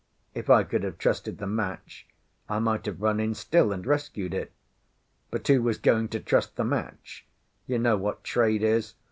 If I could have trusted the match, I might have run in still and rescued it. But who was going to trust the match? You know what trade is.